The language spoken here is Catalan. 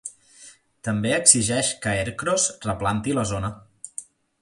També exigeix que Ercros replanti la zona.